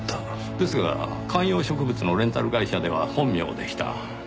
ですが観葉植物のレンタル会社では本名でした。